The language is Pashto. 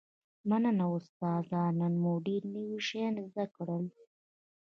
مننه استاده نن مو ډیر نوي شیان زده کړل